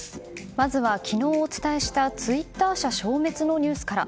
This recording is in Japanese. まずは昨日お伝えしたツイッター社消滅のニュースから。